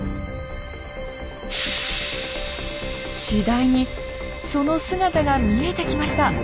次第にその姿が見えてきました。